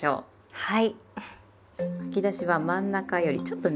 はい。